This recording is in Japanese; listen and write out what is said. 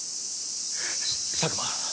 佐久間